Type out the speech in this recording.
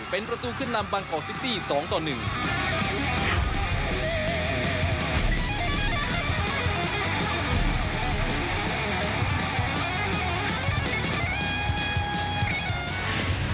เป็นประตูขึ้นนำบางกอกซิตี้๒กับ๑